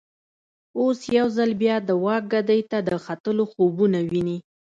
اوس یو ځل بیا د واک ګدۍ ته د ختلو خوبونه ویني.